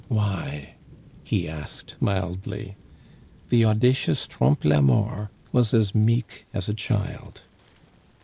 "Why?" he asked mildly. The audacious Trompe la Mort was as meek as a child.